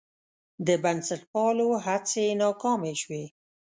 د بنسټپالو هڅې ناکامې شوې.